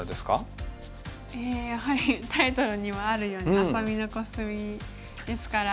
やはりタイトルにもあるように愛咲美のコスミですから。